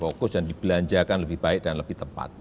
fokus dan dibelanjakan lebih baik dan lebih tepat